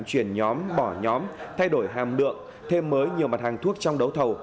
chuyển nhóm bỏ nhóm thay đổi hàm lượng thêm mới nhiều mặt hàng thuốc trong đấu thầu